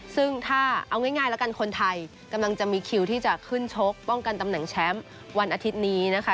ซึ่งถ้าเอาง่ายแล้วกันคนไทยกำลังจะมีคิวที่จะขึ้นชกป้องกันตำแหน่งแชมป์วันอาทิตย์นี้นะคะ